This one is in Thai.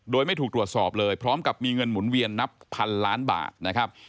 โดยไม่ถูกตรวจสอบเลยพร้อมกับมีเงินหมุนเวียนนับพันล้านบาทนะครับ